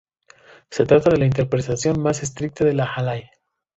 Se trata de la interpretación más estricta de la halal.